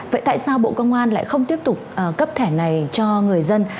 vậy tại sao bộ công an lại không tiếp tục cấp thẻ này cho người dân